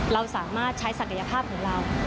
เราสามารถใช้ศักยภาพของเรา